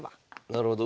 なるほど。